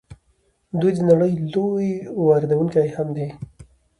دوی د نړۍ لوی واردونکی هم دي.